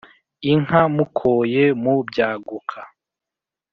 Inka mukoye mu Byaguka